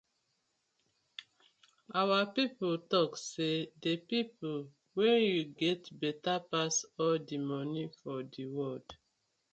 Our pipu tok say dey people wen yu get betta pass all di moni for di world.